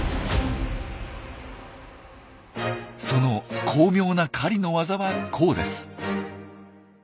その巧妙な狩りのワザはこうです。